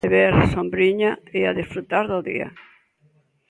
Beber, sombriña, e a desfrutar do día.